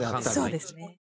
そうですね。